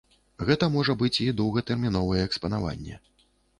Гэта можа быць і доўгатэрміновае экспанаванне.